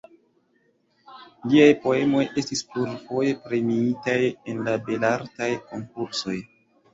Liaj poemoj estis plurfoje premiitaj en la Belartaj Konkursoj.